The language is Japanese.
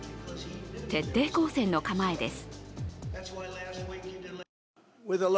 徹底抗戦の構えです。